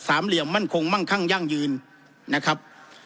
เหลี่ยมมั่นคงมั่งคั่งยั่งยืนนะครับ